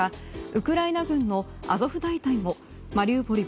ウクライナ軍のアゾフ大隊もマリウポリ